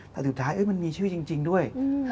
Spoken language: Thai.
แต่สุดท้ายมันมีชื่อจริงด้วย